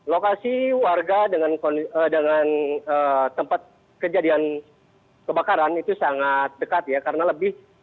lokasi warga dengan tempat kejadian kebakaran itu sangat dekat ya karena lebih